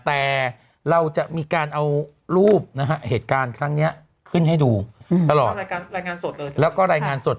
แต่เราจะมีการเอารูปเหตุการณ์ครั้งนี้ขึ้นให้ดูทั้งหมดแล้วก็รายงานสด